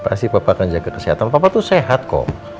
pasti papa akan jaga kesehatan papa tuh sehat kok